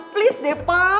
please deh pak